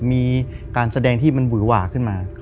มีการแสดงที่มันหวือหว่าขึ้นมา